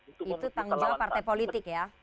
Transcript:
itu tanggung jawab partai politik ya